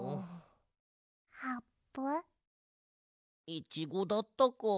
イチゴだったかあ。